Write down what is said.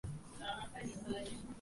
আমাকে জড়িয়ে ধরে।